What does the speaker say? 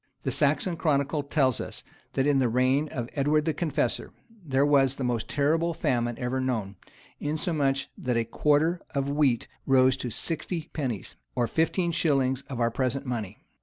[] The Saxon Chronicle tells us,[] that in the reign of Edward the Confessor there was the most terrible famine ever known; insomuch that a quarter of wheat rose to sixty pennies, or fifteen shillings of our present money.